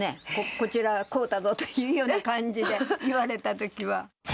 こちら、買うたぞっていうような感じで言われたときは。